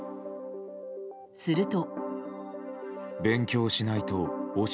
すると。